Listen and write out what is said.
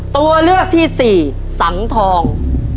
ตัวเลือกที่สี่สังทอง